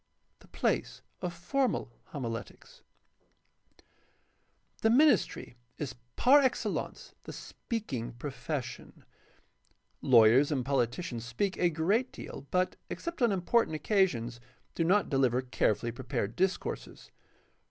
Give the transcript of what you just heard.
The place of formal homiletics. — The ministry is par excellence the speaking profession. Lawyers and politicians speak a great deal, but, except on important occasions, do not deliver carefully prepared discourses.